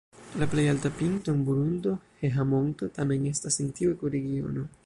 La plej alta pinto en Burundo, Heha-Monto tamen estas en tiu ekoregiono.